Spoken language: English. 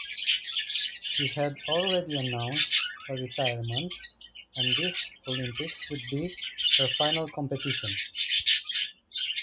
She had already announced her retirement and this Olympics would be her final competition.